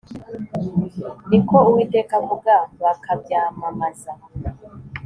ni ko uwiteka avuga bakabyamamaza